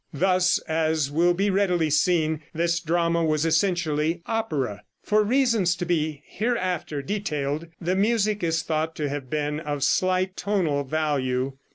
Thus, as will be readily seen, this drama was essentially opera. For reasons to be hereafter detailed, the music is thought to have been of slight tonal value.